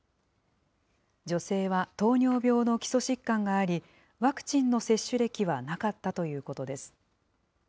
女性は糖尿病の基礎疾患があり、ワクチンの接種歴はなかったということです。